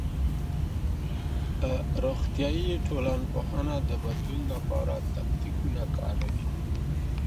روغتيائي ټولنپوهنه د بدلون لپاره تکتيکونه کاروي.